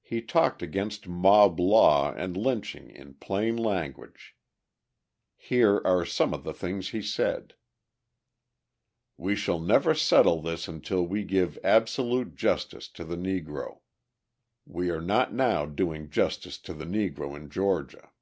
He talked against mob law and lynching in plain language. Here are some of the things he said: "We shall never settle this until we give absolute justice to the Negro. We are not now doing justice to the Negro in Georgia.